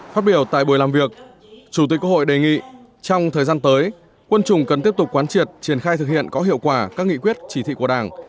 phát biểu tại buổi làm việc chủ tịch quốc hội đề nghị trong thời gian tới quân chủng cần tiếp tục quán triệt triển khai thực hiện có hiệu quả các nghị quyết chỉ thị của đảng